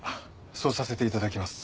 そうさせていただきます。